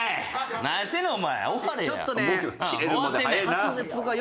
何してんねんお前。